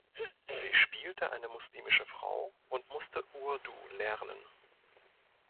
Sie spielte eine muslimische Frau und musste Urdu lernen.